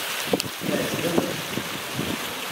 Teɛjeb-aneɣ.